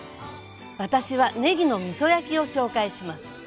私はねぎのみそ焼きを紹介します。